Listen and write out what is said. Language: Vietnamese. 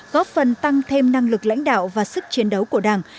góp phần tăng thêm năng lực lãnh đạo và sức chiến đấu của đảng